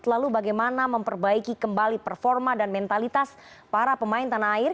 lalu bagaimana memperbaiki kembali performa dan mentalitas para pemain tanah air